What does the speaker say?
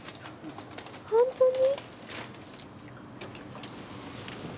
本当に？